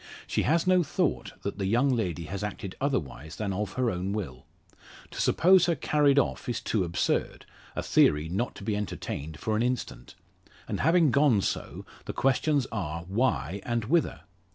She has no thought that the young lady has acted otherwise than of her own will. To suppose her carried off is too absurd a theory not to be entertained for an instant. And having gone so, the questions are, why and whither?